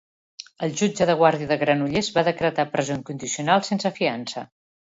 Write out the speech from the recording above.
El jutge de guàrdia de Granollers va decretar presó incondicional sense fiança.